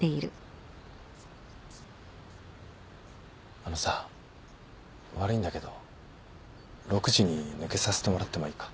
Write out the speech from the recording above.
あのさ悪いんだけど６時に抜けさせてもらってもいいか？